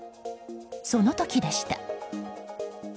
その時でした。